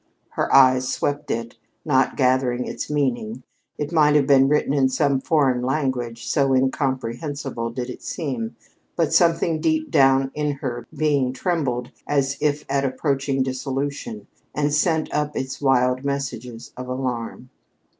Her eyes swept it, not gathering its meaning. It might have been written in some foreign language, so incomprehensible did it seem. But something deep down in her being trembled as if at approaching dissolution and sent up its wild messages of alarm.